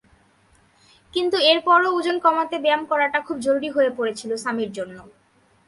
কিন্তু এরপরও ওজন কমাতে ব্যায়াম করাটা খুব জরুরি হয়ে পড়েছিল সামির জন্য।